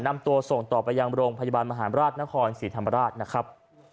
นำตัวส่งต่อไปยังโรงพยาบาลมหารราชนครศรีธรรมราชนะครับ